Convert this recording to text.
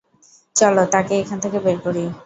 চলো তাকে এখান থেকে বের করি।